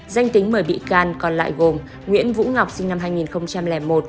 danh tính mời bị can còn lại gồm nguyễn vũ ngọc sinh năm hai nghìn một